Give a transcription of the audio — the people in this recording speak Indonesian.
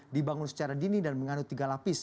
dibangun secara dini dan menganut tiga lapis